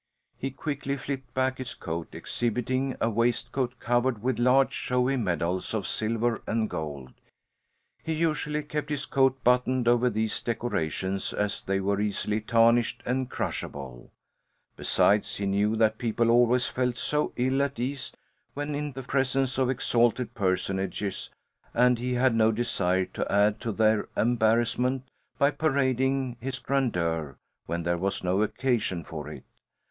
He quickly flipped back his coat, exhibiting a waistcoat covered with large showy "medals" of "silver" and "gold." He usually kept his coat buttoned over these decorations as they were easily tarnished, and crushable. Besides, he knew that people always felt so ill at ease when in the presence of exalted personages and he had no desire to add to their embarrassment by parading his grandeur when there was no occasion for it.